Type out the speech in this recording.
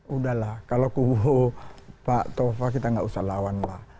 udahlah kalau kubu pak tova kita nggak usah lawan lah